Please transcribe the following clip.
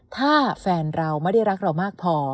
ถ้าแฟนเราไม่ได้รักเรามากพอ